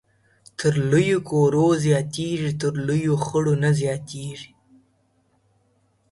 تر لويو کورو زياتېږي ، تر لويو خړو نه زياتېږي